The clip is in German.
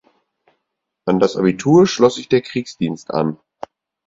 An das Abitur schloss sich der Kriegsdienst an.